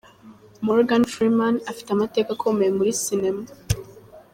Morgan Freeman afite amateka akomeye muri sinema.